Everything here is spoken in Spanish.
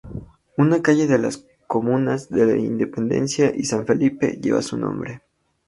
Una calle de las comunas de Independencia y San Felipe lleva su nombre.